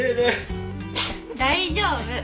大丈夫。